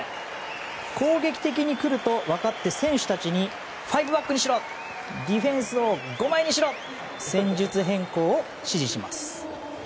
攻撃的に来ると分かって選手たちに５バックにしろディフェンスを５枚にしろと戦術変更を指示します。